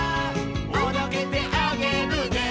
「おどけてあげるね」